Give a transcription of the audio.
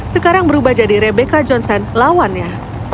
sekarang berubah membuat rebecca jonson lawannya